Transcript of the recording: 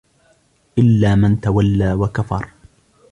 إِلَّا مَنْ تَوَلَّى وَكَفَرَ